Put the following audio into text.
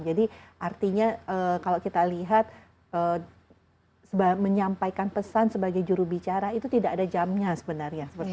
jadi artinya kalau kita lihat menyampaikan pesan sebagai jurubicara itu tidak ada jamnya sebenarnya